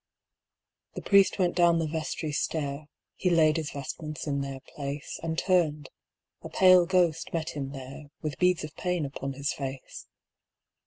The priest went down the vestry stair, He laid his vestments in their place, And turned—a pale ghost met him there, With beads of pain upon his face.